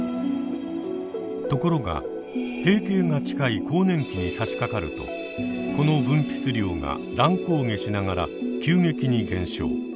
ところが閉経が近い更年期にさしかかるとこの分泌量が乱高下しながら急激に減少。